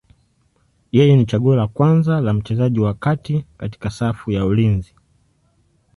Yeye ni chaguo la kwanza la mchezaji wa kati katika safu ya ulinzi.